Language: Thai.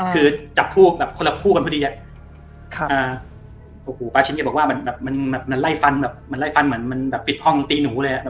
คือจับคู่คนละคู่กันพอดีปาชินแกบอกว่ามันไล่ฟันมันปิดห้องตีหนูเลย